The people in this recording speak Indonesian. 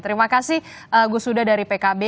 terima kasih gusuda dari pkb